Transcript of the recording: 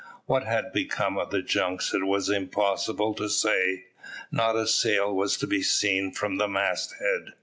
What had become of the junks it was impossible to say. Not a sail was to be seen from the mast head.